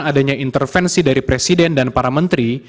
adanya intervensi dari presiden dan para menteri